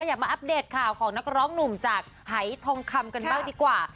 อยากมาอัปเดตข่าวของนักร้องหนุ่มจากหายทองคำกันบ้างดีกว่า